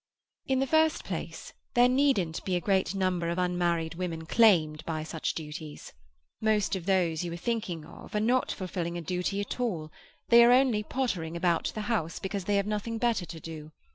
"In the first place, there needn't be a great number of unmarried women claimed by such duties. Most of those you are thinking of are not fulfilling a duty at all; they are only pottering about the house, because they have nothing better to do.